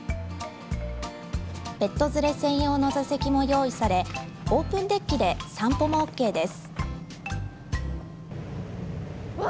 ペット連れ専用の座席も用意され、オープンデッキで散歩もＯＫです。